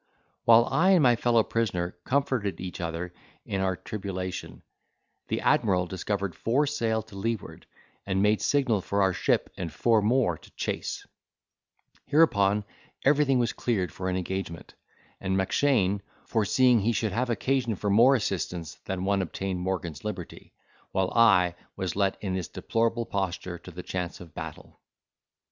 While I and my fellow prisoner comforted each other in our tribulation, the admiral discovered four sail to leeward and made signal for our ship and four more to chase: hereupon everything was cleared for an engagement, and Mackshane, foreseeing he should have occasion for more assistants than one obtained Morgan's liberty, while I was let in this deplorable posture to the chance of battle.